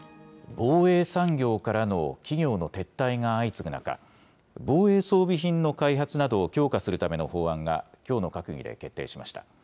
防衛産業からの企業の撤退が相次ぐ中、防衛装備品の開発などを強化するための法案が、きょうの閣議で決定しました。